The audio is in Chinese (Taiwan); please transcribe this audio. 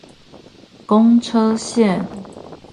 公車線